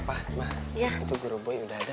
pak emang itu guru boy udah ada